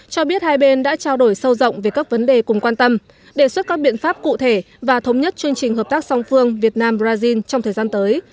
cho biết hai bên đã trao đổi sâu rộng về các vấn đề cùng quan tâm đề xuất các biện pháp cụ thể và thống nhất chương trình hợp tác song phương việt nam brazil trong thời gian tới